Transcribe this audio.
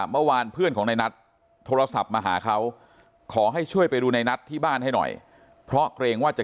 เมื่อวานเพื่อนของนายนัทโทรศัพท์มาหาเขา